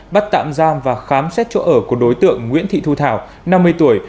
bắt tạm giam và khám xét chỗ ở của đối tượng nguyễn thị thu thảo năm mươi tuổi